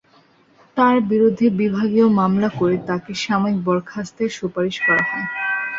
তাঁর বিরুদ্ধে বিভাগীয় মামলা করে তাঁকে সাময়িক বরখাস্তের সুপারিশ করা হয়।